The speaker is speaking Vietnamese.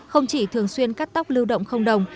không chỉ thường xuyên cắt tóc lưu động không đồng